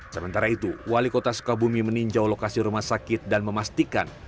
sementara itu wali kota sukabumi meninjau lokasi rumah sakit dan memastikan